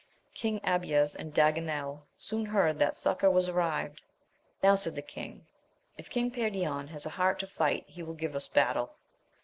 King Abies and Daganel soon heard that succour was arrived. Now, said the king, if King Perion has a heart to fight he will give us battle.